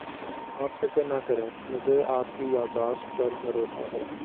آپ فکر نہ کریں مجھے آپ کی یاد داشت پر بھروسہ ہے